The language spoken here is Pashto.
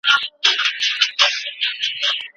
ایا تاسو پوهېږئ د لیکنې اهمیت څه دی؟